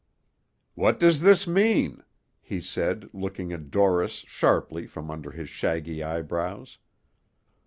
"What does this mean?" he said, looking at Dorris sharply from under his shaggy eyebrows.